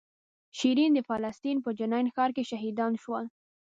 شیرین د فلسطین په جنین ښار کې شهیدان شوه.